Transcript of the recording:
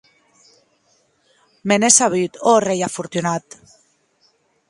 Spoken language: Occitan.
Me n’è sabut, ò rei afortunat!